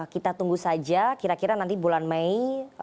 kita tunggu saja kira kira nanti bulan mei